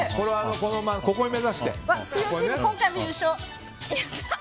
ここを目指して。